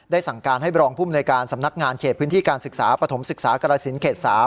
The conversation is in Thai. สั่งการให้บรองภูมิหน่วยการสำนักงานเขตพื้นที่การศึกษาปฐมศึกษากรสินเขต๓